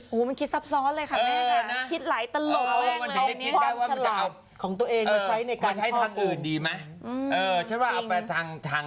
โหมันคิดซับซ้อมเลยค่ะแม่ข้า